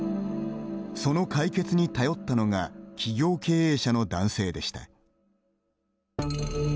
その解決に頼ったのが企業経営者の男性でした。